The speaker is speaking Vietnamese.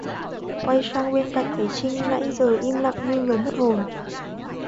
Quay sang bên cạnh thấy trinh nãy giờ im lặng như người mất hồn